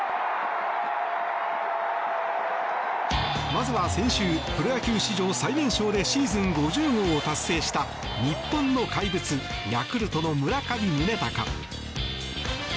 まずは先週プロ野球史上最年少でシーズン５０号を達成した日本の怪物ヤクルトの村上宗隆。